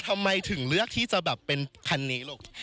ทำไมถึงเลือกที่จะแบบเป็นพันนี้ลูก